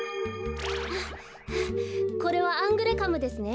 これはアングレカムですね。